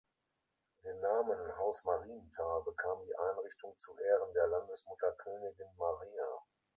Den Namen „Haus Marienthal“ bekam die Einrichtung zu Ehren der Landesmutter Königin Maria.